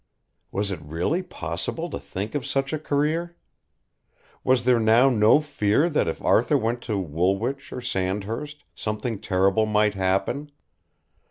Was it really possible to think of such a career? Was there now no fear that if Arthur went to Woolwich or Sandhurst something terrible might happen?